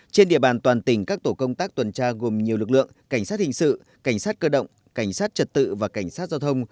trên địa bàn toàn tỉnh các tổ công tác tuần tra gồm nhiều lực lượng cảnh sát hình sự cảnh sát cơ động cảnh sát trật tự và cảnh sát giao thông